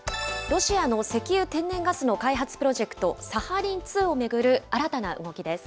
ロシアの石油、天然ガスの開発プロジェクト、サハリン２を巡る新たな動きです。